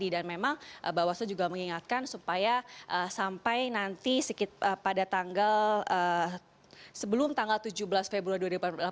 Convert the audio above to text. dan memang bawaslo juga mengingatkan supaya sampai nanti pada tanggal sebelum tanggal tujuh belas februari dua ribu delapan belas